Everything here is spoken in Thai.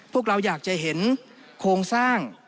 พวกเราอยากจะเห็นโครงสร้าง